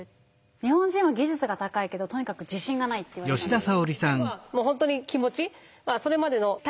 日本人は技術が高いけどとにかく自信がないって言われたんですよ。